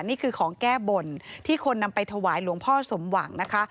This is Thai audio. นี่คือของแก้บนที่คนนำไปถวายหลวงพ่อสมหวังนะคะ